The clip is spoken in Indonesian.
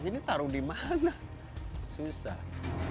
ini taruh dimana susah